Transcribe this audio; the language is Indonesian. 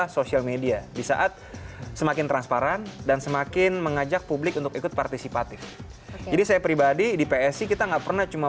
berita terkini dari kpum